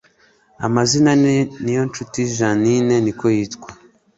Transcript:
amazina ye niyonshuti jeannine niko yitwa